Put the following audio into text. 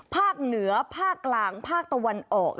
ภาคเหนือภาคกลางภาคตะวันออก